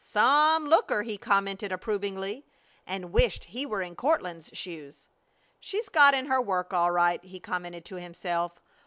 "Some looker!" he commented, approvingly, and wished he were in Courtland's shoes. "She's got in her work all right," he commented to himself.